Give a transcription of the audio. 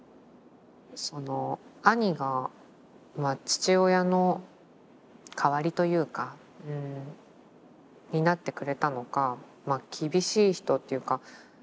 その兄が父親の代わりというかになってくれたのかまあ厳しい人っていうか。